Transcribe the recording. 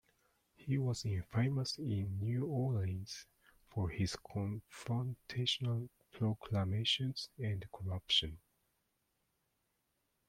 He was infamous in New Orleans for his confrontational proclamations and corruption.